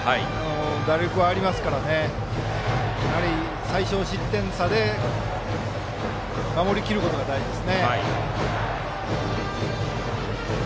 打力はありますから最少失点差で守りきることが大事です。